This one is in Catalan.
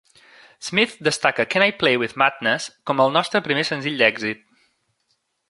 Smith destaca "Can I Play with Madness" com "el nostre primer senzill d'èxit.